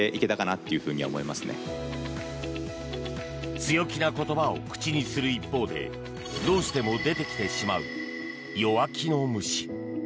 強気な言葉を口にする一方でどうしても出てきてしまう弱気の虫。